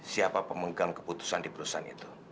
siapa pemegang keputusan di perusahaan itu